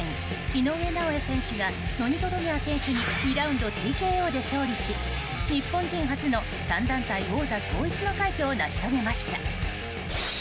井上尚弥選手がノニト・ドネア選手に２ラウンドＴＫＯで勝利し日本人初の３団体王座統一の快挙を成し遂げました。